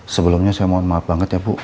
sebelumnya saya mohon maaf banget ya bu